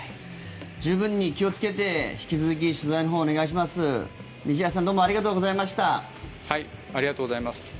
十分に気をつけて引き続き、取材をお願いします。